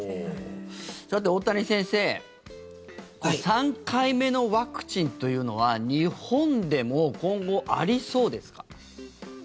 さて、大谷先生３回目のワクチンというのは日本でも今後ありそうですか？